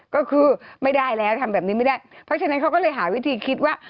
ก็คือไม่ได้แล้วทำแบบนี้ไม่ได้เพราะฉะนั้นเขาก็เลยหาวิธีคิดว่า